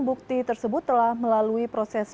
bukti tersebut telah melalui proses